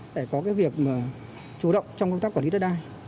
để có việc chủ động trong công tác quản lý đất đai